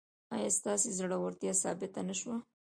ایا ستاسو زړورتیا ثابته نه شوه؟